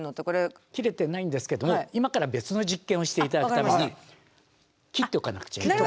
切れてないんですけども今から別の実験をして頂くために切っておかなくちゃいけなかった。